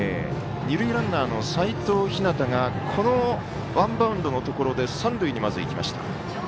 二塁ランナーの齋藤陽がワンバウンドのところで三塁に、まずいきました。